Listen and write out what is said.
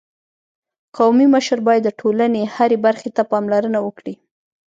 قومي مشر باید د ټولني هري برخي ته پاملرنه وکړي.